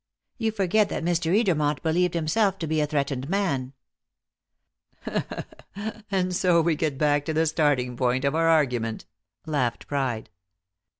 You forget that Mr. Edermont believed himself to be a threatened man." "And so we get back to the starting point of our argument!" laughed Pride.